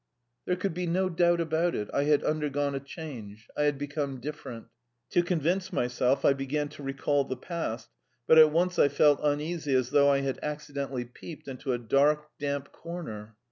There could be no doubt about it: I had undergone a change; I had become different. To convince myself, I began to recall the past, but at once I felt uneasy, as though I had accidentally peeped into a dark, damp corner.